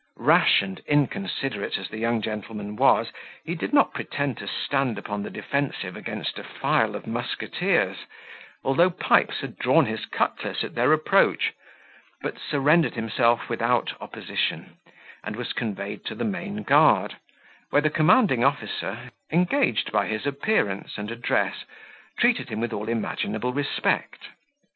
Rash and inconsiderate as the young gentleman was, he did not pretend to stand upon the defensive against a file of musketeers, although Pipes had drawn his cutlass at their approach, but surrendered himself without opposition, and was conveyed to the main guard, where the commanding officer, engaged by his appearance and address, treated him with all imaginable respect.